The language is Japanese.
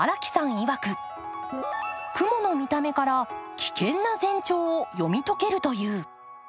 いわく雲の見た目から危険な前兆を読み解けるという。